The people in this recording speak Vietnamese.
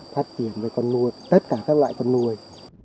phát triển với con nuôi tất cả các loại con nuôi